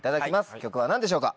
曲は何でしょうか？